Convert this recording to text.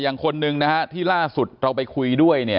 อย่างคนนึงที่ล่าสุดเราไปคุยด้วย